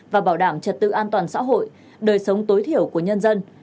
và bảo đảm trật tự an toàn xã hội đời sống tối thiểu của nhân dân